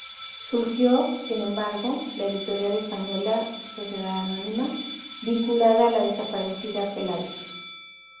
Surgió, sin embargo, la Editorial Española, S. A., vinculada a la desaparecida "Pelayos".